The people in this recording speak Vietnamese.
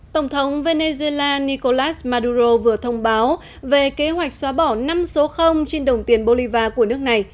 tổng thống venezuela nicolas maduro vừa thông báo về kế hoạch xóa bỏ năm số trên đồng tiền bolivar của nước này